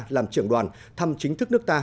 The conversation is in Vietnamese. làm trưởng đoàn thăm chính thức nước ta